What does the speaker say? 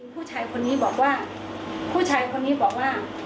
ผู้ชายคนนี้บอกว่าผู้ชายคนนี้บอกว่า